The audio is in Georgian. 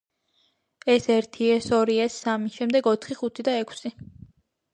ეს ერთი, ეს ორი, ეს სამი; შემდეგ ოთხი, ხუთი და ექვსი.